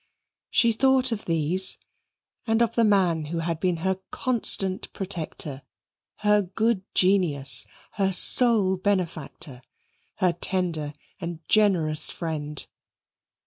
She thought of these and of the man who had been her constant protector, her good genius, her sole benefactor, her tender and generous friend.